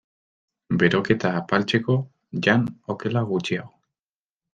Beroketa apaltzeko, jan okela gutxiago.